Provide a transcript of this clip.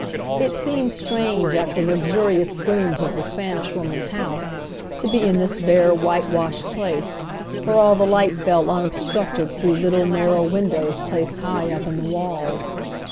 It seemed strange after the luxurious glooms of the Spanish Woman's house, to be in this bare, whitewashed place, where all the light fell unobstructed through little, narrow windows placed high up in the walls.